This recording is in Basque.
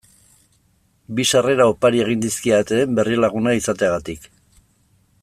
Bi sarrera opari egin dizkidate Berrialaguna izateagatik.